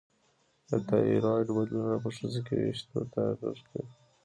د تایروییډ بدلونونه په ښځو کې وېښتو ته اغېزه کوي.